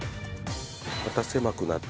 また狭くなって。